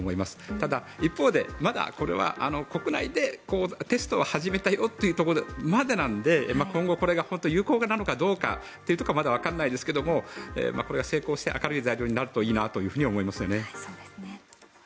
ただ、一方でまだこれは国内でテストを始めたよというところまでなので今後これが本当に有効なのかどうかはまだわからないですけどこれが成功して明るい材料になるといいなと思いますよね。